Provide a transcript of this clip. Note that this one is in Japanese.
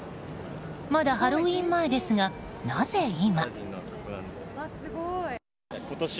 まだハロウィーン前ですがなぜ今？